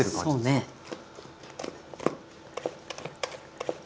そうね。